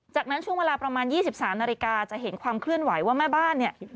จากนั้นช่วงเวลาประมาณ๒๓นาฬิกาจะเห็นความเคลื่อนไหวว่าแม่บ้านเนี่ย